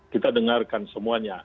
kita dengarkan semuanya